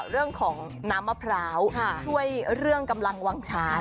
เรื่องของน้ำมะพร้าวช่วยเรื่องกำลังวางชา